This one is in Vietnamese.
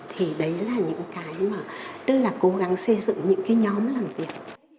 thì đấy là những cái mà tức là cố gắng xây dựng những cái nhóm làm việc